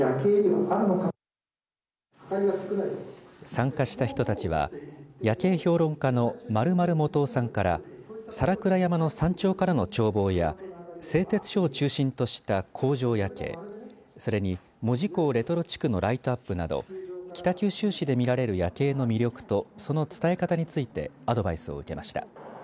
参加した人たちは夜景評論家の丸々もとおさんから皿倉山の山頂からの眺望や製鉄所を中心とした工場夜景それに門司港レトロ地区のライトアップなど北九州市で見られる夜景の魅力とその伝え方についてアドバイスを受けました。